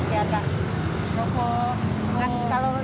kalau jam itu kan gak buat